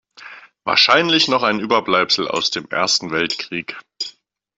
Wahrscheinlich noch ein Überbleibsel aus dem Ersten Weltkrieg.